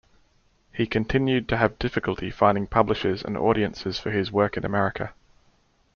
He continued to have difficulty finding publishers and audiences for his work in America.